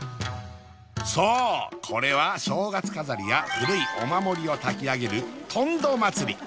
そうこれは正月飾りや古いお守りをたき上げるとんど祭り